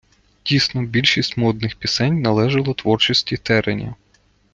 Дійсно, більшість модних пісень належало творчості Тереня.